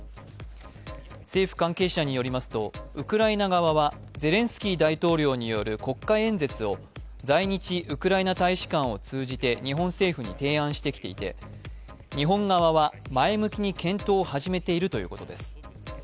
政府関係者によりますとウクライナ側はゼレンスキー大統領による国会演説を、在日ウクライナ大使館を通じて日本政府に提案してきていて日本側は前向きに検討を始めているということです。